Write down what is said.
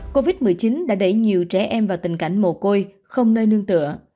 covid một mươi chín đã đẩy nhiều trẻ em vào tình cảnh mồ côi không nơi nương tựa